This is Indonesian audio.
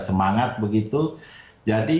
semangat begitu jadi